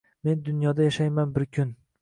Men dunyoda yashayman bir kun.